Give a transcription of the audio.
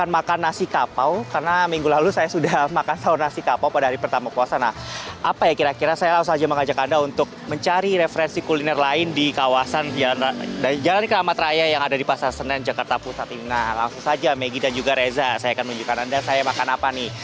maggie dan juga reza saya akan menunjukkan anda saya makan apa nih